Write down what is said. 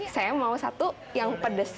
saya mau satu yang pedes